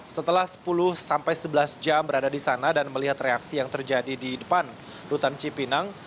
setelah sepuluh sampai sebelas jam berada di sana dan melihat reaksi yang terjadi di depan rutan cipinang